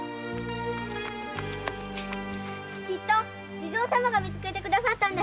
きっと地蔵様が見つけてくださったんだよ！